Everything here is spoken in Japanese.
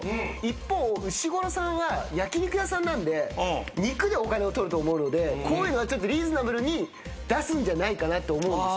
一方うしごろさんは焼き肉屋さんなんで肉でお金をとると思うのでこういうのはリーズナブルに出すんじゃないかなって思う。